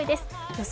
予想